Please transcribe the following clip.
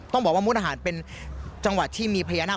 ต้องบอกว่ามุดอาหารเป็นจังหวัดที่มีพญานาค